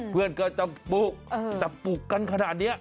เพื่อนก็จับปลูกจับปลูกกันขนาดนี้